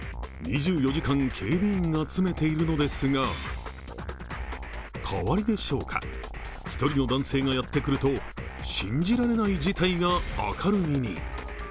２４時間、警備員が詰めているのですが、代わりでしょうか、１人の男性がやってくると信じられない事態が明るみに。